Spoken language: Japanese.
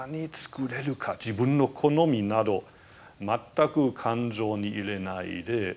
自分の好みなど全く感情に入れないで。